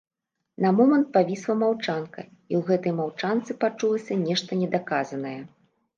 На момант павісла маўчанка, і ў гэтай маўчанцы пачулася нешта недаказанае.